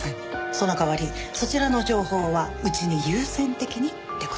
その代わりそちらの情報はうちに優先的にって事で。